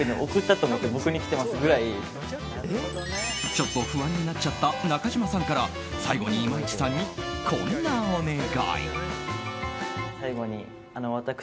ちょっと不安になっちゃった中島さんから最後に今市さんにこんなお願い。